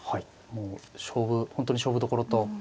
もう本当に勝負どころと。